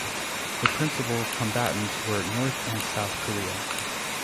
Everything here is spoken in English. The principal combatants were North and South Korea.